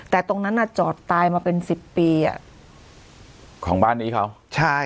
แต่ตรงนั้นอ่ะจอดตายมาเป็นสิบปีอ่ะของบ้านนี้เขาใช่